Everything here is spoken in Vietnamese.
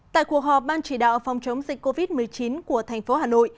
tại cuộc họp ban chỉ đạo phòng chống dịch covid một mươi chín của thành phố hà nội